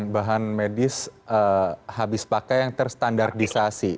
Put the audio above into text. bahan medis habis pakai yang terstandarisasi